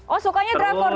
oh sukanya drama korea dulu